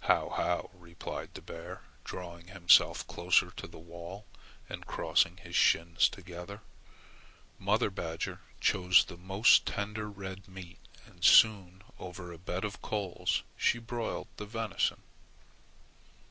"How, how!" replied the bear, drawing himself closer to the wall and crossing his shins together. Mother badger chose the most tender red meat, and soon over a bed of coals she broiled the venison.